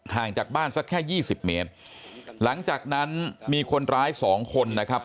ห่างจากบ้านสักแค่๒๐เมตรหลังจากนั้นมีคนร้าย๒คนนะครับ